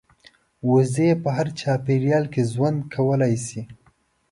وزې په هر چاپېریال کې ژوند کولی شي